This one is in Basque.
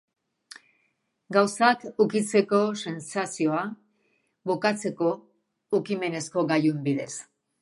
Gauzak ukitzeko sentsazioa, bukatzeko, ukimenezko gailuen bidez.